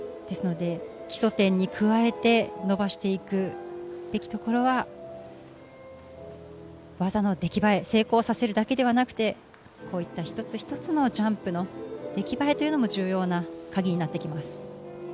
ですので基礎点に加えて伸ばしていくべきところは技の出来栄え、成功させるだけではなくて、こうした一つ一つのジャンプの出来栄えというのも重要なカギになってきます。